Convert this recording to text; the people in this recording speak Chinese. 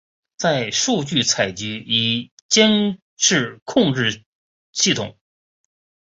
在数据采集与监视控制系统。